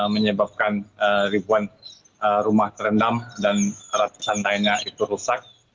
menyebabkan ribuan rumah terendam dan ratusan lainnya itu rusak